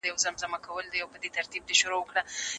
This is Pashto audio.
خاکرېز، نېش، ريګستان، میانشین، ژړۍ، د کندهار ولسوالۍ دي